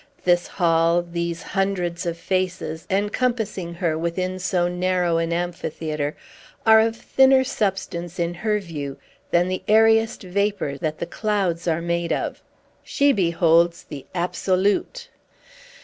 This hall these hundreds of faces, encompassing her within so narrow an amphitheatre are of thinner substance, in her view, than the airiest vapor that the clouds are made of. She beholds the Absolute!"